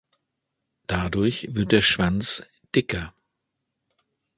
Dadurch wird der Schwanz „dicker“.